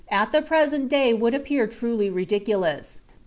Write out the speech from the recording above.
at the present day would appear truly ridiculous....